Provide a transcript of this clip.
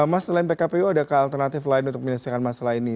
mas selain pkpu adakah alternatif lain untuk menyelesaikan masalah ini